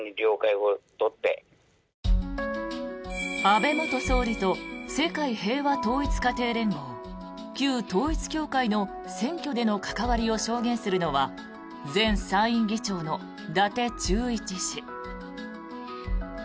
安倍元総理と世界平和統一家庭連合旧統一教会の選挙での関わりを証言するのは前参院議長の伊達忠一氏。